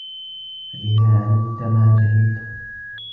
فَإِذَا عَلِمْت مَا جَهِلْت